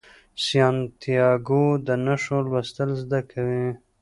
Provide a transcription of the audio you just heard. سانتیاګو د نښو لوستل زده کوي.